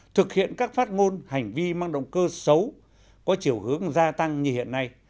thực hiện các phát ngôn hành vi mang động cơ xấu có chiều hướng gia tăng như hiện nay